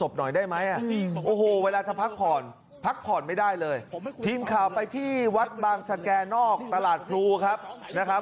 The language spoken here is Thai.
อันนี้คนโครงวัดไม่ก็สามารถทำให้เราได้แล้ว